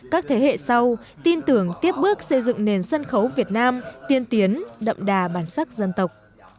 các thế hệ sau tin tưởng tiếp bước xây dựng nền sân khấu việt nam tiên tiến đậm đà bản sắc dân tộc